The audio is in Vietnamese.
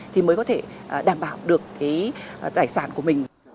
thì mới có thể đảm bảo được cái tài sản của mình